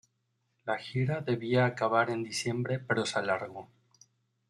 La gira debía acabar en diciembre pero se alargó.